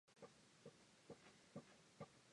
He owns Jim Durrell Capital Dodge.